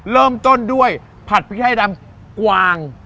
เริ่มต้นด้วยผัดพริกไทยดำกวาง